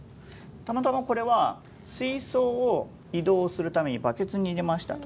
たまたまこれは水槽を移動するためにバケツに入れましたと。